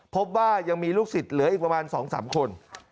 พบว่ายังมีลูกศิษย์เหลืออีกประมาณ๒๓คน